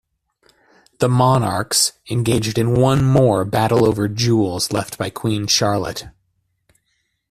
The monarchs engaged in one more battle-over jewels left by Queen Charlotte.